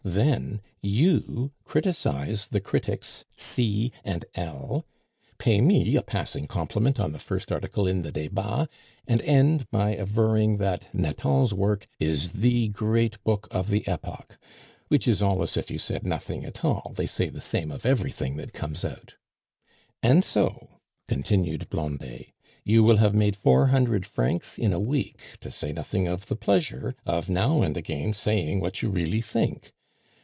Then you criticise the critics 'C' and 'L'; pay me a passing compliment on the first article in the Debats, and end by averring that Nathan's work is the great book of the epoch; which is all as if you said nothing at all; they say the same of everything that comes out. "And so," continued Blondet, "you will have made four hundred francs in a week, to say nothing of the pleasure of now and again saying what you really think.